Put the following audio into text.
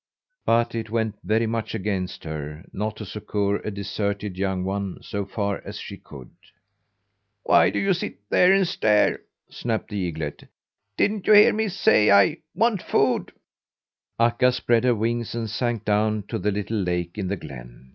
But it went very much against her not to succour a deserted young one so far as she could. "Why do you sit there and stare?" snapped the eaglet. "Didn't you hear me say I want food?" Akka spread her wings and sank down to the little lake in the glen.